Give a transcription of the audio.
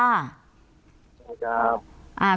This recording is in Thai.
สวัสดีครับ